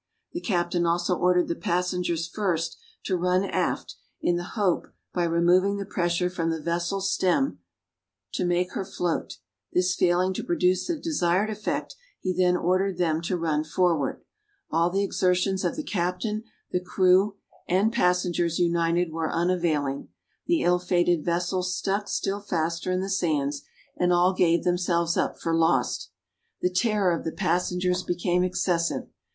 The captain also ordered the passengers first to run aft, in the hope, by removing the pressure from the vessel's stem, to make her float: this failing to produce the desired effect, he then ordered them to run forward. All the exertions of the captain, the crew and passengers united were unavailing. The ill fated vessel stuck still faster in the sands, and all gave themselves up for lost. The terror of the passengers became excessive.